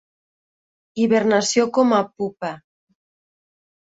Hibernació com a pupa.